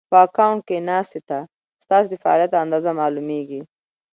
په اکونټ کې ناسې ته ستاسې د فعالیت اندازه مالومېږي